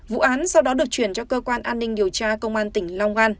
vụ án sau đó được chuyển cho cơ quan an ninh điều tra công an tỉnh long an